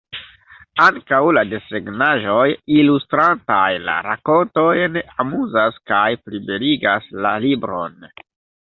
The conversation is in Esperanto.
Ankaŭ la desegnaĵoj, ilustrantaj la rakontojn, amuzas kaj plibeligas la libron.